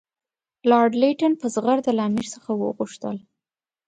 لارډ لیټن په زغرده له امیر څخه وغوښتل.